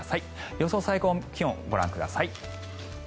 予想最高気温、ご覧ください。